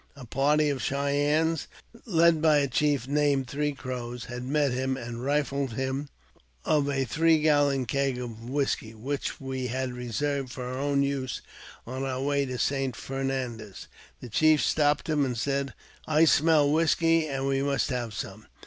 A party of Cheyennes, led by a chief named Three Crows, had met him, and rifled him of a three gallon keg of whisky, which we had reserved for our own use on our way to St. Fernandez. The chief stopped him, and said, " I smell whisky, and we must have some."